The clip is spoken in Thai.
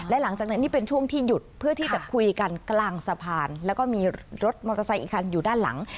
และหลังจากนั้นนี่เป็นช่วงที่หยุดเพื่อที่จะคุยกันกลางสะพานแล้วก็มีรถมอเตอร์ไซค์อีกคันอยู่ด้านหลัง